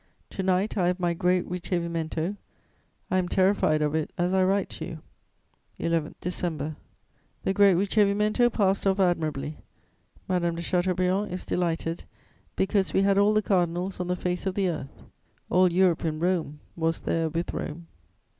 To night I have my great ricevimento; I am terrified of it as I write to you." [Sidenote: A reception at the Embassy.] "11 December. "The great ricevimento passed off admirably. Madame de Chateaubriand is delighted, because we had all the cardinals on the face of the earth. All Europe in Rome was there with Rome.